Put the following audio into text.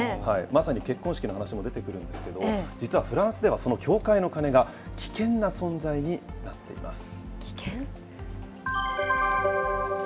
まさに結婚式の話も出てくるんですけど、実はフランスでは、その教会の鐘が危険な存在になっています。